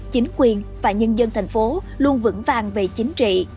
chính quyền và nhân dân thành phố luôn vững vàng về chính trị